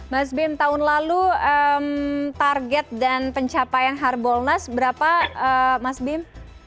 mas bim tahun lalu target dan pencapaian harbolnas berapa mas bim